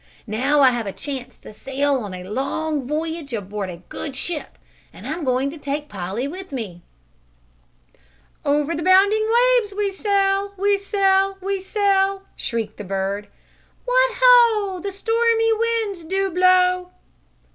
Now I have a chance to sail on a long voyage aboard a good ship, and I'm going to take Polly with me." "Over the bounding waves, we sail, we sail, we sail!" shrilled the bird. "What ho! The stormy winds do blow!"